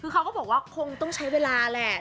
คือเขาก็บอกว่าคงต้องใช้เวลาแหละ